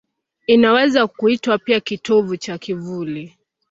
Inaweza kuitwa pia kitovu cha kivuli.